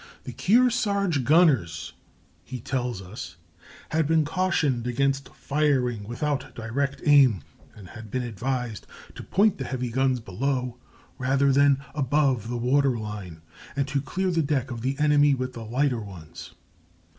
The Kearsarge gunners [he tells us] had been cautioned against firing without direct aim, and had been advised to point the heavy guns below rather than above the water line, and to clear the deck of the enemy with the lighter ones.